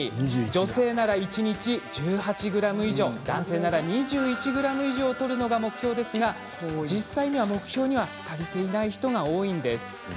女性なら一日１８ｇ以上男性なら２１ｇ以上とるのが目標ですが実際には、目標には足りていない人が多いんです。